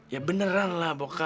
ya beneranlah bokap